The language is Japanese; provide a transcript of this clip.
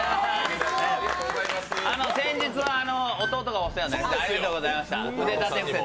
先日は弟がお世話になり、ありがとうございました、腕立て伏せで。